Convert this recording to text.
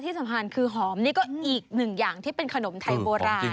สำคัญคือหอมนี่ก็อีกหนึ่งอย่างที่เป็นขนมไทยโบราณ